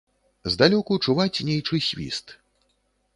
Здалёку чуваць нейчы свіст.